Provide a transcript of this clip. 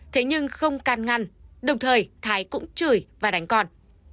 thế nhưng không can ngăn đồng thời thái cũng chửi và đánh con